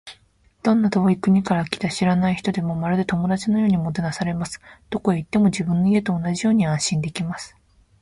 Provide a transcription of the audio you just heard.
どんな遠い国から来た知らない人でも、まるで友達のようにもてなされます。どこへ行っても、自分の家と同じように安心できます。